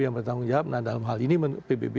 yang bertanggung jawab nah dalam hal ini pbb